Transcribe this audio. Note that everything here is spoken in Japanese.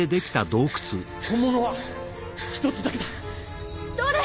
本物は１つだけだどれ？